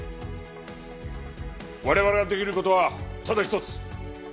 我々ができる事はただ一つ。